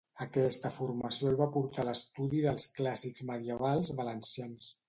Aquesta formació el va portar a l'estudi dels clàssics medievals valencians.